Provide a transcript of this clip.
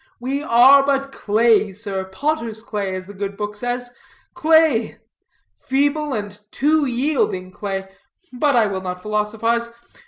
We are but clay, sir, potter's clay, as the good book says, clay, feeble, and too yielding clay. But I will not philosophize.